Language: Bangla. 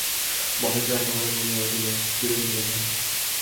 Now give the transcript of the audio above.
মহেন্দ্র একেবারেই বলিয়া উঠিল, বিনোদিনী কোথায়।